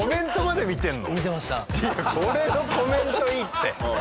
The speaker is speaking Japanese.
いやこれのコメントいいって。